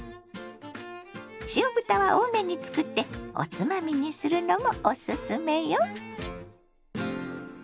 塩豚は多めに作っておつまみにするのもおすすめよ。